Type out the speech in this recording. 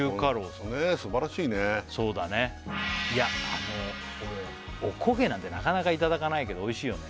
すばらしいねそうだねいやあのおこげなんてなかなかいただかないけどおいしいよね